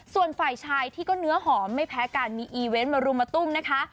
ส่วนฝ่ายชายที่ก็เนื้อหอมไม่แพ้กันมีอีเวนต์มารุมมาตุ้มนะคะ